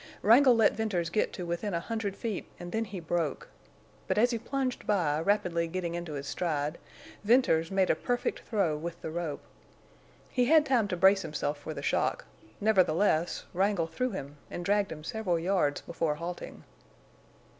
Wrangle let Venters get to within a hundred feet and then he broke. But as he plunged by, rapidly getting into his stride, Venters made a perfect throw with the rope. He had time to brace himself for the shock; nevertheless, Wrangle threw him and dragged him several yards before halting.